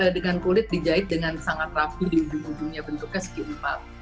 tapi dengan kulit dijahit dengan sangat rapi di ujung ujungnya bentuknya skimbal